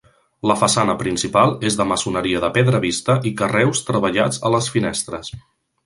La façana principal és de maçoneria de pedra vista i carreus treballats a les finestres.